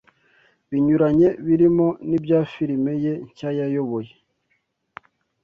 binyuranye birimo n’ibya filime ye nshya yayoboye